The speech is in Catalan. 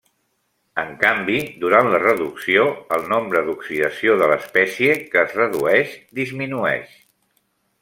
En canvi, durant la reducció, el nombre d'oxidació de l'espècie que es redueix disminueix.